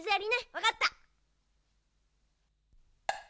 わかった！